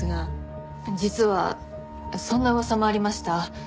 実はそんな噂もありました。